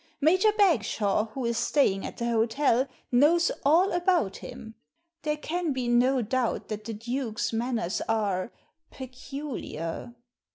Major Bagshawe, who is staying at the hotel, knows all about him. There can be no doubt that the Duke's manners are — peculiar."